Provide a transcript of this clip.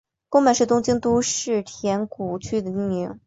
宫坂是东京都世田谷区的町名。